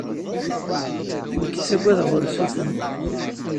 Nekk ttaggadeɣ ursuten.